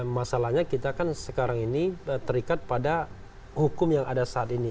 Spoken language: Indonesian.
masalahnya kita kan sekarang ini terikat pada hukum yang ada saat ini